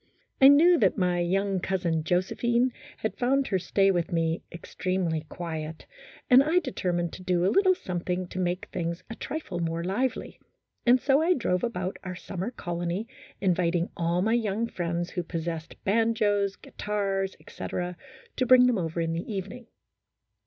I knew that my young cousin Josephine had found her stay with me ex tremely quiet, and I determined to do a little some thing to make things a trifle more lively, and so I drove about our summer colony inviting all my young friends who possessed banjos, guitars, etc., to bring them over in the evening.